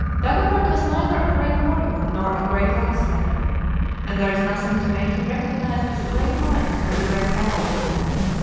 Dagobert was neither a great warrior nor a great legislator, and there is nothing to make him recognized as a great mind or a great character.